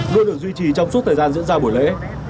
luôn được duy trì trong suốt thời gian diễn ra buổi lễ